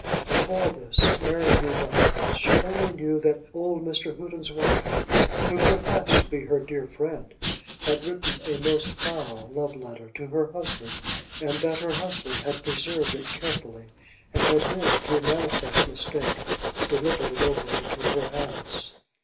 Of all this Mary knew nothing. She only knew that old Mr. Houghton's wife, who professed to be her dear friend, had written a most foul love letter to her husband, and that her husband had preserved it carefully, and had then through manifest mistake delivered it over into her hands.